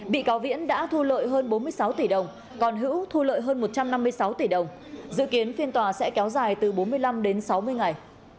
bị cáo viễn đã thu lợi hơn bốn mươi sáu tỷ đồng còn hữu thu lợi hơn một trăm năm mươi sáu tỷ đồng dự kiến phiên tòa sẽ kéo dài từ bốn mươi năm đến sáu mươi ngày